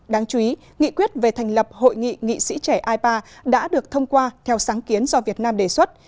đáng chú ý nghị quyết về thành lập hội nghị nghị sĩ trẻ ipa đã được thông qua theo sáng kiến do việt nam đề xuất